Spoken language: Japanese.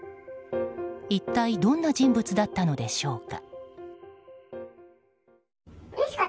一体どんな人物だったのでしょうか。